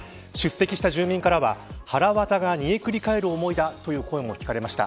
出席した住民からは、はらわたが煮えくり返る思いだという声も聞かれました。